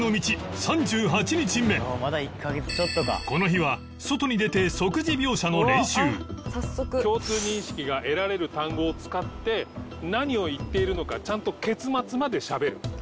この日は外に出て即時描写の練習共通認識が得られる単語を使って何を言っているのかちゃんと結末までしゃべる。